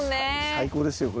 最高ですよこれ。